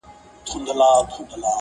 خلاصه پرېږدي خو جواب نه ورکوي،